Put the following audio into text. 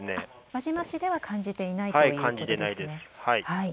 輪島市では感じていないということですね。